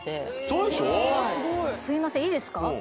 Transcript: すいませんいいですか？